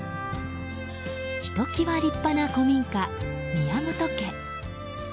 ひときわ立派な古民家宮本家。